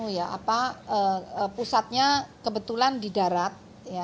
jadi karena gempa ini kan pusatnya kebetulan di darat